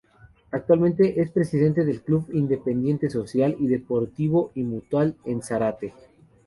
Actualmente es presidente del Club Independiente Social Y Deportivo Y Mutual en Zarate.